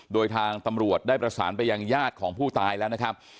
โดยทางตำรวจได้ประสานไปยังญาติของผู้ตายแล้วนะครับ